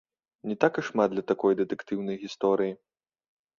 Не так і шмат для такой дэтэктыўнай гісторыі.